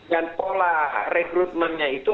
dan pola rekrutmennya itu